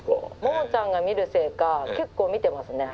モモちゃんが見るせいか結構見てますね。